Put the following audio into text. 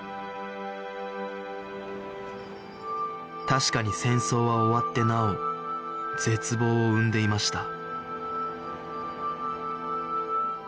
確かに戦争は終わってなお絶望を生んでいました